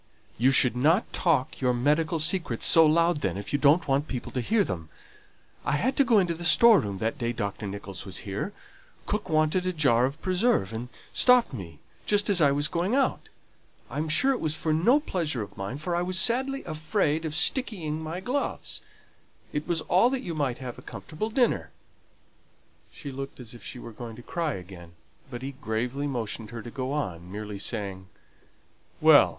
"You should not talk your medical secrets so loud then, if you don't want people to hear them. I had to go into the store room that day Dr. Nicholls was here; cook wanted a jar of preserve, and stopped me just as I was going out I am sure it was for no pleasure of mine, for I was sadly afraid of stickying my gloves it was all that you might have a comfortable dinner." She looked as if she was going to cry again, but he gravely motioned her to go on, merely saying, "Well!